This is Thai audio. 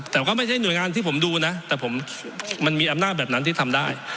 แต่ก็ไม่ใช่หน่วยงานที่ผมดูนะแต่ผมมันมีอำนาจแบบนั้นที่ทำได้